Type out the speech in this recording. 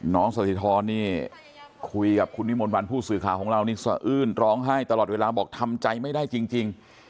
สถิธรนี่คุยกับคุณวิมนต์วันผู้สื่อข่าวของเรานี่สะอื้นร้องไห้ตลอดเวลาบอกทำใจไม่ได้จริง